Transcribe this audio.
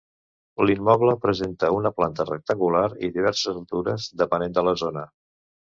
L'immoble presenta una planta rectangular i diverses altures depenent de la zona.